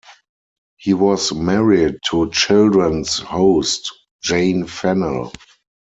He was married to children's host Jane Fennell.